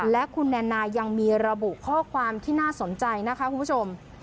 และคุณแนนนายังมีระบุข้อความที่น่าสนใจนะคะคุณผู้ชม